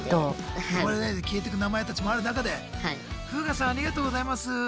呼ばれないで消えてく名前たちもある中で「フーガさんありがとうございます」。